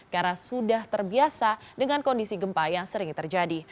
karena sudah terbiasa dengan kondisi gempa yang sering terjadi